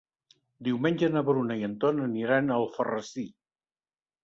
Diumenge na Bruna i en Ton aniran a Alfarrasí.